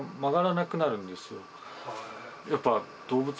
やっぱ。